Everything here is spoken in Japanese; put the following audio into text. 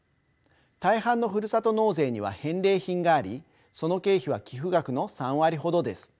大半のふるさと納税には返礼品がありその経費は寄付額の３割ほどです。